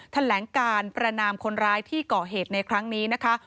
แถลงการประนามคนร้ายที่ก่อเหตุในครั้งนี้นะคะ